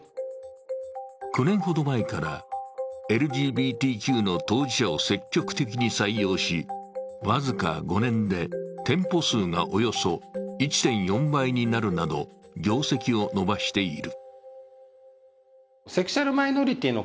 ９年ほど前からＬＧＢＴＱの当事者を積極的に採用し僅か５年で店舗数がおよそ１．４倍になるなど、業績を伸ばしている。